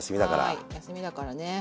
はい休みだからね